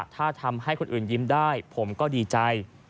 ถ้าทำให้คนอื่นยิ้มได้ผมก็ดีใจ